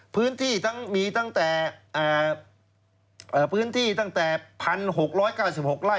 พื้นที่มีตั้งแต่เอ่อเอ่อพื้นที่ตั้งแต่พันหกร้อยเก้าสิบหกไร่